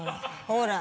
ほら。